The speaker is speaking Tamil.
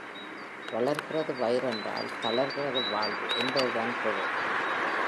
வளர்கிறது வயிறென்றால, தளர்கிறது வாழ்வு என்பது தான் பொருள்.